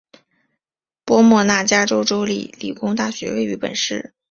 波莫纳加州州立理工大学位于本市。